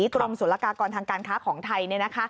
กรมศุลกากรทางการค้าของไทย